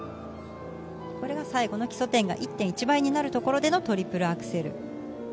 これが最後の基礎点が１．１倍になるところでのトリプルアクセル。